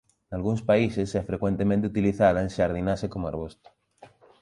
Nalgúns países é frecuentemente utilizada en xardinaxe como arbusto.